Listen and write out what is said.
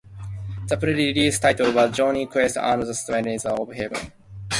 The pre-release title was Jonny Quest and the Splinter of Heaven.